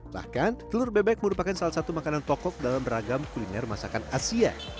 bahkan telur bebek merupakan salah satu makanan tokoh dalam beragam kuliner masakan asia